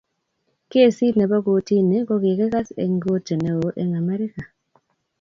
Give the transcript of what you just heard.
Kesit nebo kortini kokikikas eng korti neo eng Amerika.